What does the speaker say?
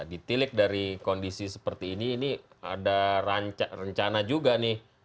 ditilik dari kondisi seperti ini ini ada rencana juga nih